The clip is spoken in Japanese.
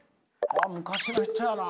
昔の人やな。